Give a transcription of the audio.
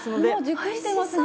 熟してますね。